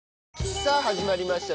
さぁ始まりました